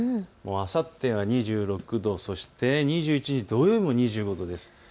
あさっては２６度、２１日土曜日も２５度です。